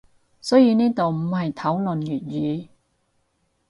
所以呢度唔係討論粵語